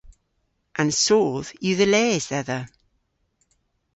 An soodh yw dhe les dhedha.